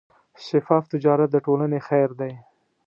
شفاف تجارت د ټولنې خیر دی.